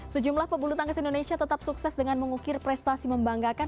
sejumlah pebulu tangkis indonesia tetap sukses dengan mengukir prestasi membanggakan